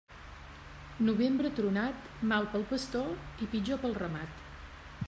Novembre tronat, mal pel pastor i pitjor pel ramat.